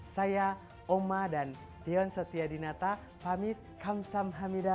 saya oma dan deon satya dinata pamit kamsahamnida